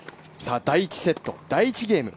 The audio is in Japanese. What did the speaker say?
第１セット、第１ゲーム。